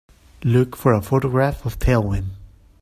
Look for a photograph of Tailwind